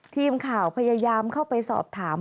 ทีมข่าวพยายามเข้าไปสอบถาม